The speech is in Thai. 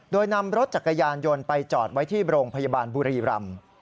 โดยนำรถจักรยานยนต์ไปจอดไว้ที่โรงพยาบาลบุรีรำ